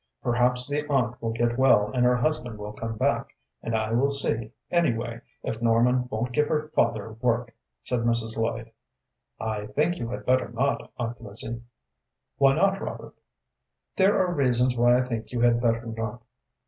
"Perhaps the aunt will get well and her husband will come back; and I will see, anyway, if Norman won't give her father work," said Mrs. Lloyd. "I think you had better not, Aunt Lizzie." "Why not, Robert?" "There are reasons why I think you had better not."